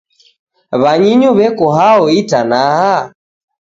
W'anyinyu w'eko hao itanaha?